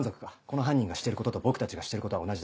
この犯人がしてることと僕たちがしてることは同じだ。